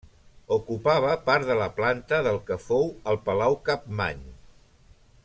Ocupava part de la planta del que fou el Palau Capmany.